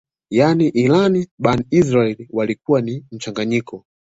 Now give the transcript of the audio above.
ya Iran Bani Israaiyl walikuwa ni mchanganyiko